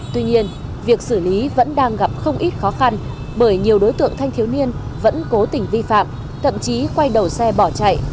tuy nhiên việc xử lý vẫn đang gặp không ít khó khăn bởi nhiều đối tượng thanh thiếu niên vẫn cố tình vi phạm thậm chí quay đầu xe bỏ chạy